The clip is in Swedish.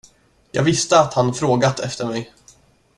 Jag visste att han frågat efter mig.